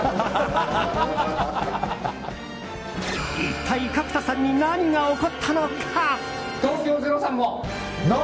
一体、角田さんに何が起こったのか？